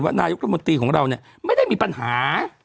นายกรัฐมนตรีของเราเนี่ยไม่ได้มีปัญหา